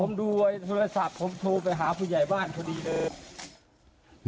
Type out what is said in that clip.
ผมดูโทรศัพท์ผมโทรไปหาผู้ใหญ่บ้านพอดีเลย